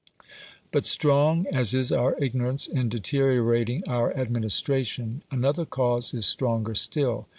But strong as is our ignorance in deteriorating our administration, another cause is stronger still.